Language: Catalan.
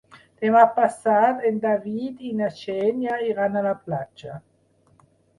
Demà passat en David i na Xènia iran a la platja.